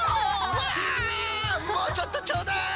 うわもうちょっとちょうだい！